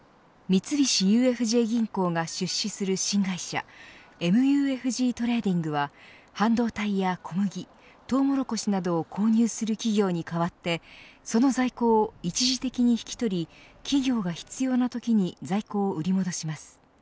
三菱ＵＦＪ銀行が出資する新会社ＭＵＦＧトレーディングは半導体や小麦、トウモロコシなどを購入する企業に代わってその在庫を一時的に引き取り企業が必要なときに在庫を売り戻します。